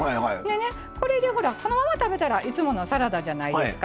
これで、このまま食べたらいつものサラダじゃないですか。